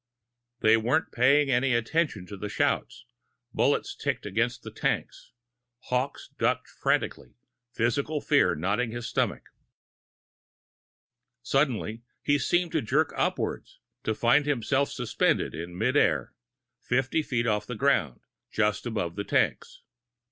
They weren't paying any attention to the shouts. Bullets ticked against the tanks. Hawkes ducked frantically, physical fear knotting his stomach. Suddenly, he seemed to jerk upwards, to find himself suspended in mid air, fifty feet off the ground, just beyond the tanks.